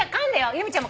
由美ちゃん